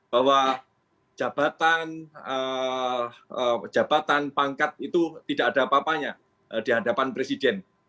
bahwa jabatan jabatan pangkat itu tidak ada apa apanya di hadapan presiden